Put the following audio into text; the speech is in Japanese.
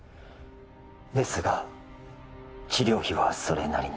ですが治療費はそれなりに